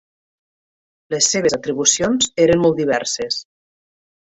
Les seves atribucions eren molt diverses.